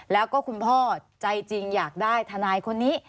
แล้วก็คุณพ่อใจจริงอยากได้ทนายคนนี้